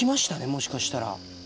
もしかしたら。